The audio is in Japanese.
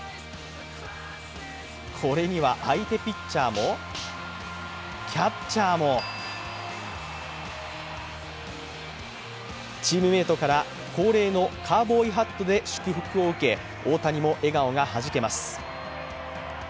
これには相手ピッチャーもキャッチャーもチームメートから、恒例のカウボーイハットで祝福を受け大谷も笑顔がはじけます。